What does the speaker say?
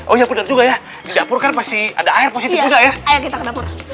oh ya benar juga ya di dapur kan pasti ada air positif juga ya ayo kita ke dapur